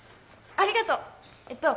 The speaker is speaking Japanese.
ありがとう。